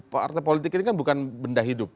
partai politik ini kan bukan benda hidup